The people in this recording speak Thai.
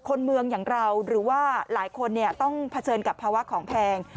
คนเมืองอย่างเราหรือว่าหลายคนต้องเผชิญกับภาวะของแพง